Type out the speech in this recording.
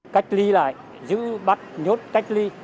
cách ly lại giữ bắt nhốt cách ly